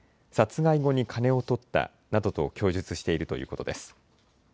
殺害後に金をとったなどと供述しているということです。